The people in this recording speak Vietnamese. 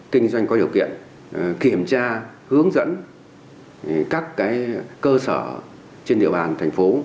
kinh doanh có điều kiện kiểm tra hướng dẫn các cơ sở trên địa bàn thành phố